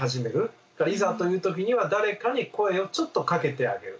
いざという時には誰かに声をちょっとかけてあげる。